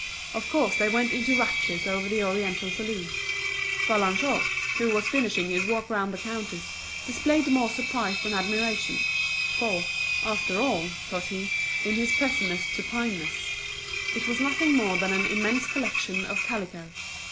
Of course they went into raptures over the oriental saloon. Vallagnosc, who was finishing his walk round the counters, displayed more surprise than admiration; for, after all, thought he, in his pessimist supineness, it was nothing more than an immense collection of calico.